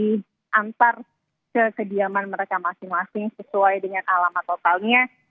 diantar ke kediaman mereka masing masing sesuai dengan alamat totalnya